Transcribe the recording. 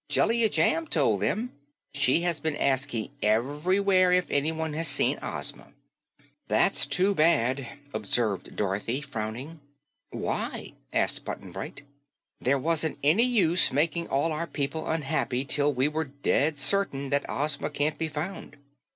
"Jellia Jamb told them. She has been asking everywhere if anyone has seen Ozma." "That's too bad," observed Dorothy, frowning. "Why?" asked Button Bright. "There wasn't any use making all our people unhappy till we were dead certain that Ozma can't be found."